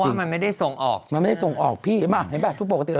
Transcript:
เพราะว่ามันไม่ได้ส่งออกมันไม่ได้ส่งออกพี่